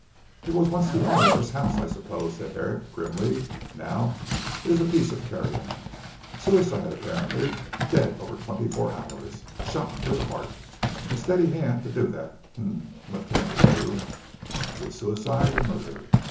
"It was once the owner of this house I suppose," said Herrick grimly. "Now, it is a piece of carrion. Suicide apparently. Dead over twenty four hours. Shot through the heart. A steady hand to do that. H'm, left handed too. Is it suicide, or murder?